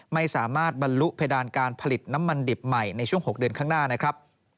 ไม่สามารถบรรลุเพดานการผลิตน้ำมันดิบใหม่ในช่วง๖เดือนข้างหน้านะครับ